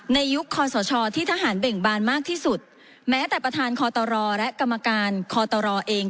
ในยุคคอสชที่ทหารเบ่งบานมากที่สุดแม้แต่ประธานคอตรและกรรมการคอตรเอง